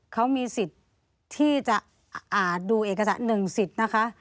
เขามีสิทธิ์ที่จะอ่านดูเอกสารหนึ่งสิทธิ์นะคะ